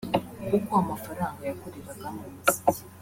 kuko amafaranga yakoreraga mu muziki